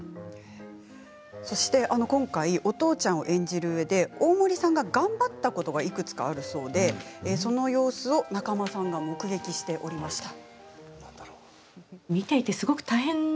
そして今回お父ちゃんを演じるうえで大森さんが頑張ったことがいくつかあるそうでその様子を仲間さんが目撃しておりました。